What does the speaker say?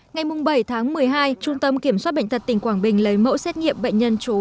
ngày bảy tháng một mươi hai trung tâm kiểm soát bệnh tật tỉnh quảng bình lấy mẫu xét nghiệm bệnh nhân chú